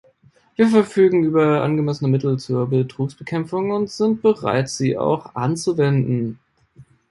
Wir verfügen über angemessene Mittel zur Betrugsbekämpfung und sind bereit, sie auch anzuwenden.